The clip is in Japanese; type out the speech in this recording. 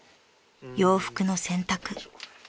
［洋服の洗濯］